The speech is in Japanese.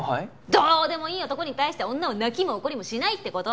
どうでもいい男に対して女は泣きも怒りもしないって事。